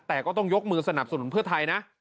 แต่ก็ต้องยกมือสนับสนุนเพื่อไทยนะ